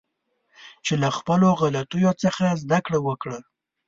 چې له خپلو غلطیو څخه زده کړه وکړه